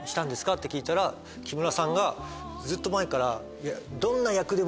って聞いたら木村さんがずっと前から。